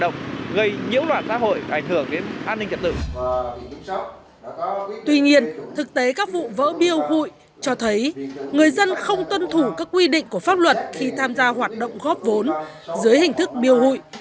người dân không tuân thủ các quy định của pháp luật khi tham gia hoạt động góp vốn dưới hình thức biêu hụi